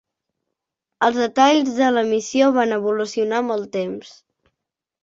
Els detalls de la missió van evolucionar amb el temps.